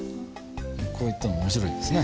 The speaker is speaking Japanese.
こういったのも面白いですね。